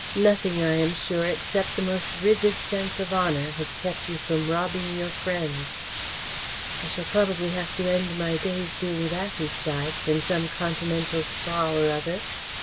Nothing, I am sure, except the most rigid sense of honour, has kept you from robbing your friends." "I shall probably have to end my days doing that," he sighed, "in some Continental Spa or other.